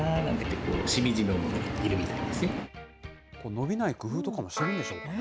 のびない工夫とかもしてるんでしょうかね。